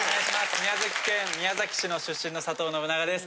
宮崎県宮崎市の出身の佐藤信長です。